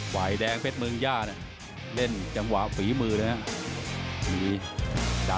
ฝ่ายแดงเพชรเมืองย่าเนี่ยเล่นจังหวะฝีมือเลยนะ